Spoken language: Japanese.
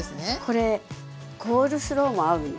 これコールスローも合うんです。